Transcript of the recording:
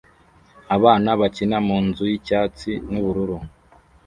Abana bakina munzu yicyatsi nubururu